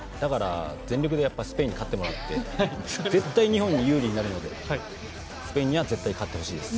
全力でスペインに勝ってもらって絶対に日本が有利になるのでスペインには絶対勝ってほしいです。